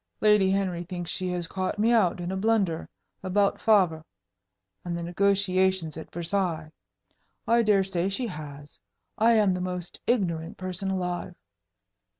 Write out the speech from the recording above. "Lady Henry thinks she has caught me out in a blunder about Favre, and the negotiations at Versailles. I dare say she has. I am the most ignorant person alive."